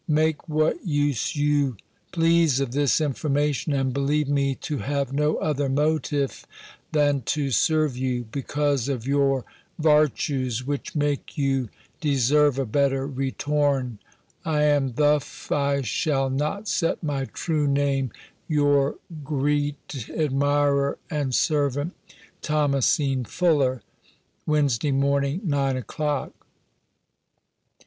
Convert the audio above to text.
Make what use yowe pleas of thiss informasion: and belieue me to haue no other motife, than to serue yowe, becavs of yowre vartues, whiche make yowe deserue a better retorne, I am, thof I shall not set my trewe name, yowre grete admirer and seruant, "THOMASINE FULLER. "Wednesday morninge, "9 o'clock."